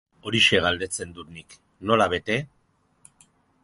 Horixe galdetzen dut nik, nola bete?